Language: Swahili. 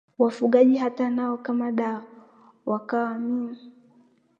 Wafugaji hata nao, kama dawa wakwamini,